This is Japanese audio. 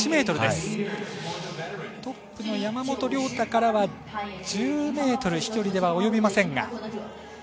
トップの山本涼太からは１０ｍ飛距離では及びませんが。